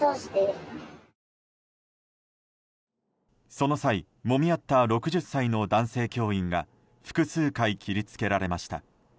その際もみ合った６０歳の男性教員が複数回切り付けられました。